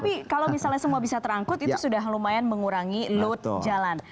tapi kalau misalnya semua bisa terangkut itu sudah lumayan mengurangi load jalan